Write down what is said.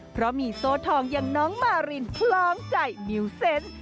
เพราะมีโซ่ทองอย่างน้องมารินคล้องใจมิวเซนต์